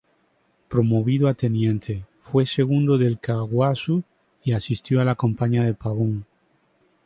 Promovido a teniente, fue segundo del "Caaguazú" y asistió a la campaña de Pavón.